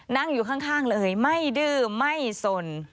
นั่งอยู่ข้างเลยไม่ดื้อไม่สน